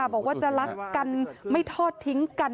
บอกว่าจะรักกันไม่ทอดทิ้งกัน